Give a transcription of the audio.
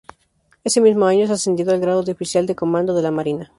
Ese mismo año es ascendido al grado de oficial de comando de la Marina.